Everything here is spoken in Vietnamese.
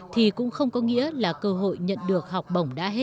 thì cũng không có nghĩa là cơ hội nhận được học bổng đã hết